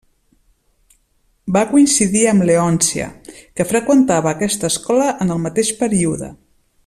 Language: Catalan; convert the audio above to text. Va coincidir amb Leòncia, que freqüentava aquesta escola en el mateix període.